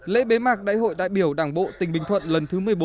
lễ bế mạc đại hội đại biểu đảng bộ tỉnh bình thuận lần thứ một mươi bốn